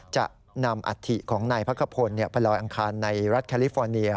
จะนำอัฐิของนายพักขพลไปลอยอังคารในรัฐแคลิฟอร์เนีย